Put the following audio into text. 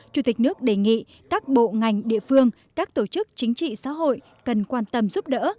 chủ tịch nước đề nghị các bộ ngành địa phương các tổ chức chính trị xã hội cần quan tâm giúp đỡ